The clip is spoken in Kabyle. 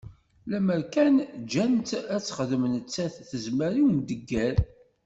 Lemmer kan ǧǧan-tt ad texdem, nettat tezmer i umdegger.